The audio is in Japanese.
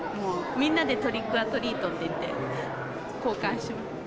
みんなでトリックオアトリートって言って、交換します。